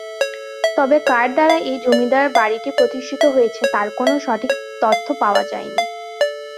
তবে কার দ্বারা এই জমিদার বাড়িটি প্রতিষ্ঠিত হয়েছে তার কোনো সঠিক তথ্য পাওয়া যায়নি।